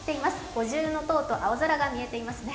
五重搭と青空が見えていますね。